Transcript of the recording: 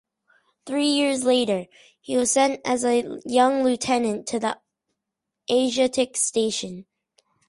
Three years later, he was sent as a young lieutenant to the Asiatic Station.